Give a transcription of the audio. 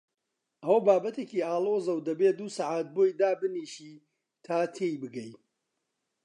ئەوە بابەتێکی ئاڵۆزە و دەبێ دوو سەعات بۆی دابنیشی تا تێی بگەی.